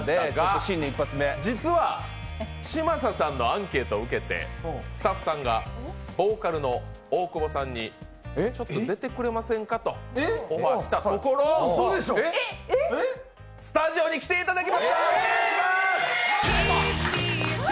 新年一発目、実は嶋佐さんのアンケートを受けてスタッフさんがボーカルの大久保さんに出てくれませんかとオファーしたところスタジオに来ていただきました。